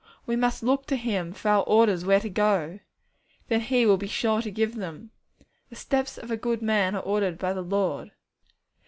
We must look to Him for our orders where to go. Then He will be sure to give them. 'The steps of a good man are ordered by the Lord.'